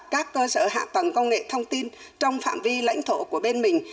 các cơ sở hạ tầng công nghệ thông tin trong phạm vi lãnh thổ của bên mình